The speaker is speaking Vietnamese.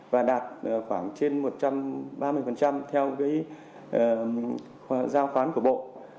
và đạt khoảng trên một trăm ba mươi theo giao khoán của bộ